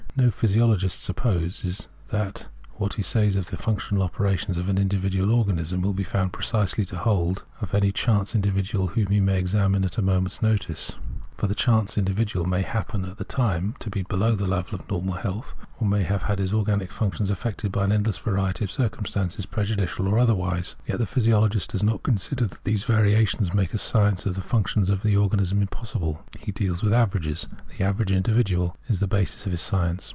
No physiologist supposes that what he says of the functional operations of the individual organism will be found precisely to hold of any chance individual whom he may examine at a moment's notice ; for the xxii Translator's Introduction chance individual may happen at the time to be below the level of ' normal health/ or may have had his organic functions affected by an endless variety of circumstances, prejudicial or otherwise. Yet the physiologist does not consider that these variations make a science of the functions of the organism impossible. He deals with ' averages ;' the ' average individual ' is the basis of his science.